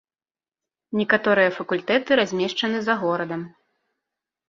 Некаторыя факультэты размешчаны за горадам.